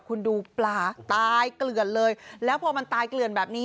คุณดูปลาตายเกลือนเลยแล้วพอมันตายเกลื่อนแบบนี้